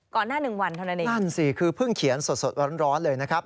หน้าหนึ่งวันเท่านั้นเองนั่นสิคือเพิ่งเขียนสดร้อนเลยนะครับ